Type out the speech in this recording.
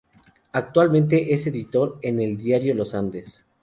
Actualmente es editor en diario Los Andes.